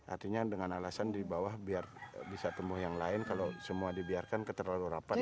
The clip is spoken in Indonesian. artinya dengan alasan dibawah biar bisa temui yang lain kalau semua dibiarkan ke terlalu rapat